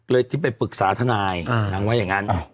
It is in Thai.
ที่ไปปรึกษาทนายนางว่าอย่างนั้น